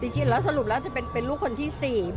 จริงแล้วสรุปแล้วจะเป็นลูกคนที่๔